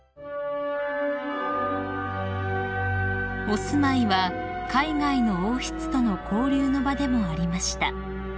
［お住まいは海外の王室との交流の場でもありました］